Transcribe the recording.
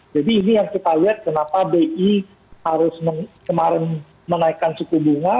jadi ini yang kita lihat kenapa bi harus kemarin menaikkan suku bunga